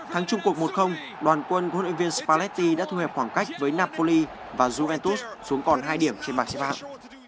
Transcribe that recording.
thắng chung cuộc một đoàn quân của huấn luyện viên spalletti đã thu hẹp khoảng cách với napoli và juventus xuống còn hai điểm trên bảng xếp hạng